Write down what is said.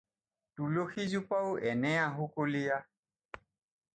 তুলসীজোপাও এনে আহুকলীয়া।